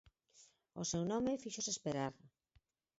O seu nome fíxose esperar.